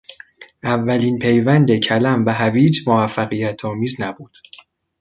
اولین پیوند کلم و هویج موفقیتآمیز نبود.